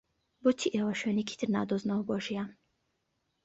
بۆچی ئێوە شوێنێکی تر نادۆزنەوە بۆ ژیان؟